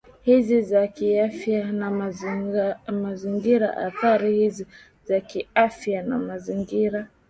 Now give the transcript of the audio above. hizi za kiafya na mazingiraAthari hizi za kiafya na mazingira